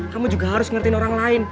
kamu juga harus ngertiin orang lain